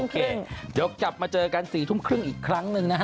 เดี๋ยวกลับมาเจอกัน๔ทุ่มครึ่งอีกครั้งหนึ่งนะฮะ